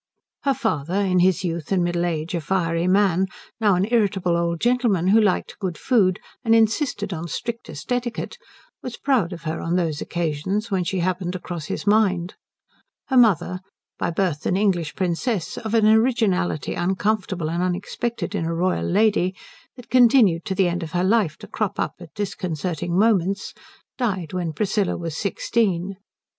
Her father, in his youth and middle age a fiery man, now an irritable old gentleman who liked good food and insisted on strictest etiquette, was proud of her on those occasions when she happened to cross his mind. Her mother, by birth an English princess of an originality uncomfortable and unexpected in a royal lady that continued to the end of her life to crop up at disconcerting moments, died when Priscilla was sixteen.